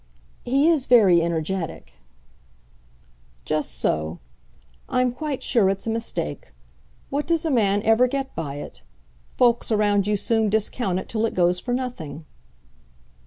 "He is very energetic." "Just so. I'm quite sure it's a mistake. What does a man ever get by it? Folks around you soon discount it till it goes for nothing."